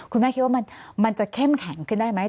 คุณแม่คิดว่ามันจะเข้มแข็งขึ้นได้ไหม